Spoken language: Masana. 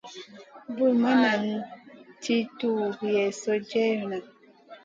Bur ma nan ti tuw Yezu jewna.